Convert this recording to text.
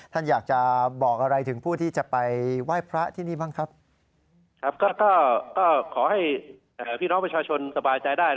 ท่านอยากจะบอกอะไรถึงผู้ที่จะไปไหว้พระที่นี่บ้างครับ